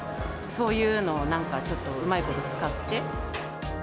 そういうのをなんか、ちょっとうまいこと使って。